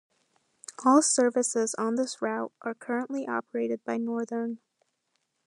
All services on this route are currently operated by Northern.